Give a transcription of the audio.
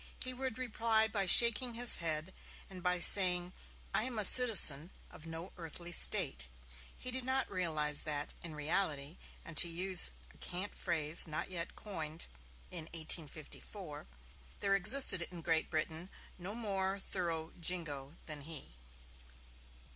he would reply by shaking his head, and by saying: 'I am a citizen of no earthly State'. He did not realize that, in reality, and to use a cant phrase not yet coined in 1854, there existed in Great Britain no more thorough 'Jingo' than he.